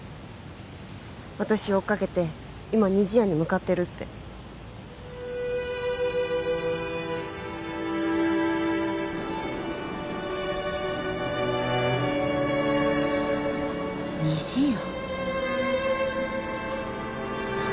私を追っかけて今にじやに向かってるってにじや？